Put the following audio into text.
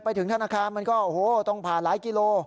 ถึงธนาคารมันก็โอ้โหต้องผ่านหลายกิโล